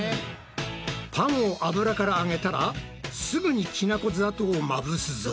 パンを油からあげたらすぐにきな粉砂糖をまぶすぞ。